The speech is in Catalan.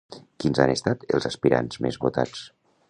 Quins han estat els aspirants més votats?